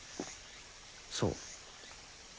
そう。